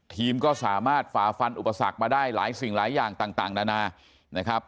ทีมก็สามารถฝ่าฟันอุปสรรคมาได้หลายสิ่งหลายอย่างต่างนานานะครับ